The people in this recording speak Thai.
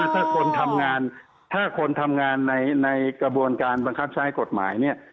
ถ้าคนทำงานถ้าคนทำงานในกระบวนการบังคับใช้กฎหมายเนี่ย